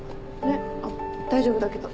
あっ大丈夫だけど。